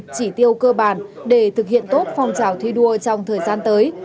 chỉ tiêu cơ bản để thực hiện tốt phong trào thi đua trong thời gian tới